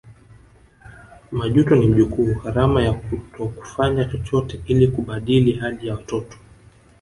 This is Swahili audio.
Majuto ni mjukuu gharama ya kutokufanya chochote ili kubadili hali ya watoto